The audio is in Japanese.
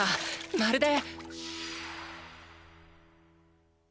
まるで。